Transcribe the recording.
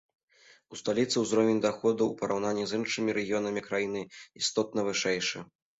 У сталіцы ўзровень даходаў у параўнанні з іншымі рэгіёнамі краіны істотна вышэйшы.